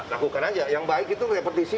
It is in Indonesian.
lakukan aja yang baik itu repetisi